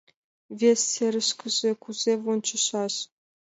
Вес серышкыже кузе вончышаш?